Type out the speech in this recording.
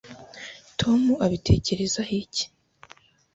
Tom abitekerezaho iki